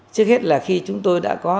trước hết là khi chúng tôi đã có